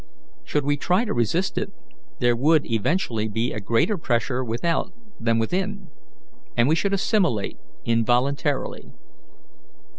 Should we try to resist it, there would eventually be a greater pressure without than within, and we should assimilate involuntarily.